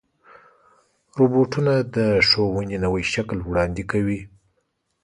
روبوټونه د ښوونې نوی شکل وړاندې کوي.